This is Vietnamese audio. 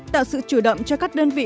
tạo sự chủ động cho các đơn vị